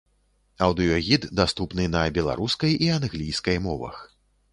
Аўдыёгід даступны на беларускай і англійскай мовах.